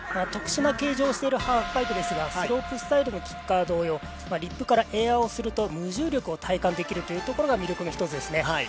特殊な形状をしているハーフパイプですがスロープスタイルと同様リップからエアすると無重力を体感できるところも魅力の一つですね。